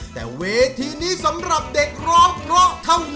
แต่เวทีนี้สำหรับเด็กร้องเพราะเท่านั้น